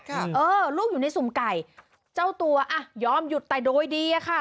เออลูกอยู่ในสุ่มไก่เจ้าตัวอ่ะยอมหยุดแต่โดยดีอะค่ะ